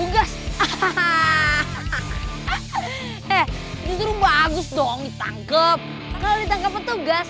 gak ada untungnya gue kasih tau pada